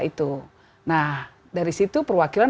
itu nah dari situ perwakilan